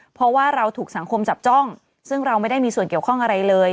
เพราะว่าเราถูกสังคมจับจ้องซึ่งเราไม่ได้มีส่วนเกี่ยวข้องอะไรเลย